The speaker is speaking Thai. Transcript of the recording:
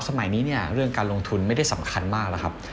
สมัยนี้เนี่ยเรื่องการลงทุนไม่ได้สำคัญมากแล้วครับ